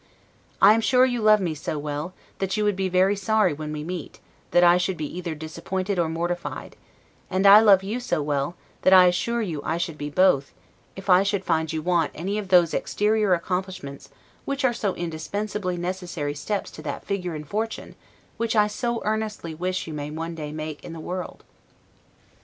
I am sure you love me so well; that you would be very sorry when we meet, that I should be either disappointed or mortified; and I love you so well, that I assure you I should be both, if I should find you want any of those exterior accomplishments which are the indispensably necessary steps to that figure and fortune, which I so earnestly wish you may one day make in the world.